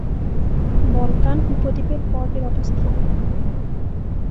Balkan উপদ্বীপের পর এর অবস্থান।